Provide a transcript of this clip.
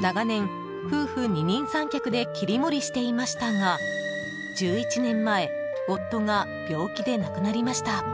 長年、夫婦二人三脚で切り盛りしていましたが１１年前夫が病気で亡くなりました。